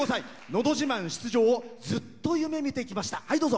「のど自慢」出場をずっと夢みてきました。